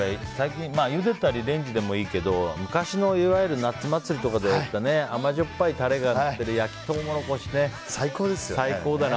ゆでたりレンジでもいいけど昔のいわゆる夏祭りとかで売ってる甘じょっぱいタレがかかってる焼きトウモロコシ最高だよね。